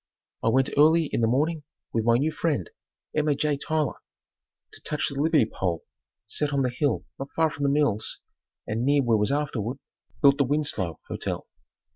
I went early in the morning with my new friend, Emma J. Tyler, to touch the Liberty pole set up on the hill not far from the mills and near where was afterward built the Winslow Hotel.